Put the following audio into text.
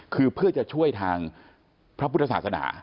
คือเพื่อจะช่วยทางพระพุทธศาสนา